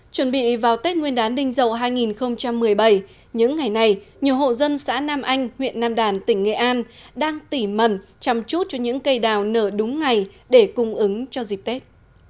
chuẩn bị vào tết nguyên đán đình dậu hai nghìn một mươi bảy những ngày này nhiều hộ dân xã nam anh huyện nam đàn tỉnh nghệ an đang tỉ mần chăm chút cho những cây đào nở đúng ngày để cung ứng cho dịp tết